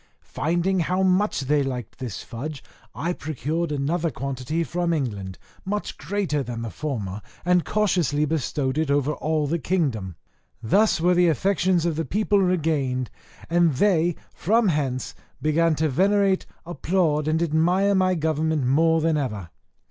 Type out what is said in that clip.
Finding how much they liked this fudge, I procured another quantity from England, much greater than the former, and cautiously bestowed it over all the kingdom. Thus were the affections of the people regained; and they, from hence, began to venerate, applaud, and admire my government more than ever.